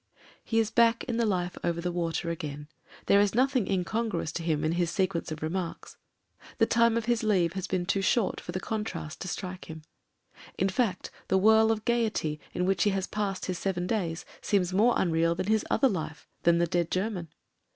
..." He is back in the life over the water again; there is nothing incongruous to him in his sequence of re marks ; the time of his leave has been too short for t(f t(i 246 MEN, WOMEN AND GUNS the contrast to strike him. In fact, the whirl of gaiety in which he has passed his seven days seems more unreal than his other life — than the dead German.